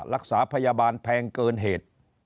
รักษาพยาบาลแพงเกินเหตุ